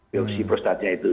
biopsi prostatnya itu